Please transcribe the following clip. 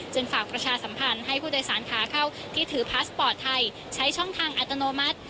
ฝากประชาสัมพันธ์ให้ผู้โดยสารขาเข้าที่ถือพาสปอร์ตไทยใช้ช่องทางอัตโนมัติ